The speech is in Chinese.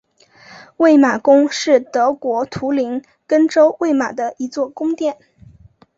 魏玛宫是德国图林根州魏玛的一座宫殿。